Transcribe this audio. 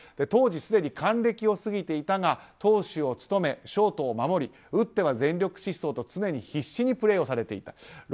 当時すでに還暦を過ぎていたが投手を務め、ショートを守り打っては全力疾走と常に必死にプレーをされていた。